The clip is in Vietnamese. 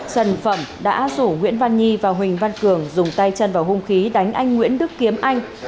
trần phẩm đã rủ nguyễn văn nhi và huỳnh văn cường dùng tay chân vào hung khí đánh anh nguyễn đức kiếm anh